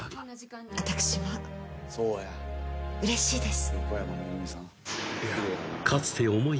「私はうれしいです」